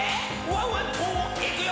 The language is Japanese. ワンワンといくよ」